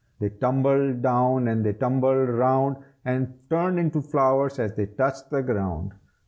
They tumbled down and they tumbled round, And turned into flowers as they touched the ground.